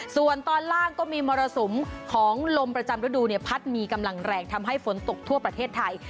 ส่วนตอนล่างก็มีมรสุมของลมประจำฤดูพัดมีกำลังแรงทำให้ฝนตกทั่วประเทศไทย